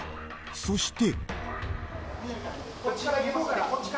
そして。